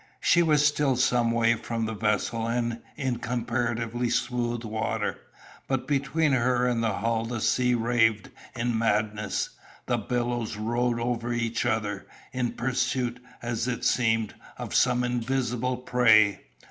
She was still some way from the vessel, and in comparatively smooth water. But between her and the hull the sea raved in madness; the billows rode over each other, in pursuit, as it seemed, of some invisible prey.